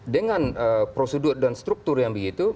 dengan prosedur dan struktur yang begitu